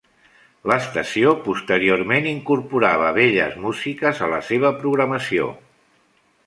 L'estació posteriorment incorporava belles músiques a la seva programació.